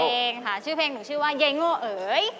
ชื่อเพลงชื่อเพลงหนูชื่อว่าเย้งโงเอ๋ย